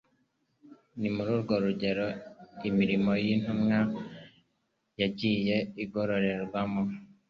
Ni muri urwo rugero imirimo y'intumwa yagiye igororerwamo.